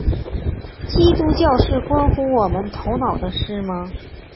基督教是关乎我们头脑的事吗？